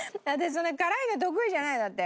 そんなに辛いの得意じゃないんだって。